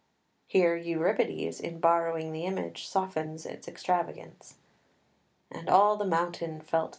Here Euripides, in borrowing the image, softens its extravagance "And all the mountain felt the god."